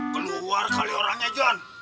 keluar kali orangnya jon